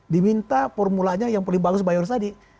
diminta formulanya yang paling bagus bang yoris tadi